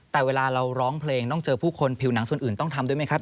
แต่เวลาเราร้องเพลงต้องเจอผู้คนผิวหนังส่วนอื่นต้องทำด้วยไหมครับ